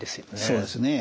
そうですね。